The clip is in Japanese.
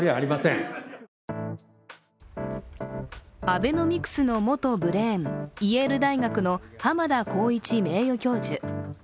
アベノミクスの元ブレーンイェール大学の浜田宏一名誉教授。